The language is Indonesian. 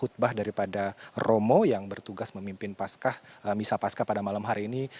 hutbah daripada romo yang bertugas memimpin pascah misa pascah pada malam hari ini